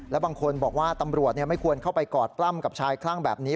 แล้วบางคนบอกว่าตำรวจไม่ควรเข้าไปกอดปล้ำกับชายคลั่งแบบนี้